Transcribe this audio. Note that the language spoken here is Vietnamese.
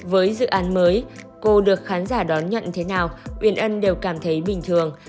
với dự án mới cô được khán giả đón nhận thế nào uyển ân đều cảm thấy bình thường